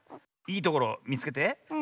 いいところみつけて。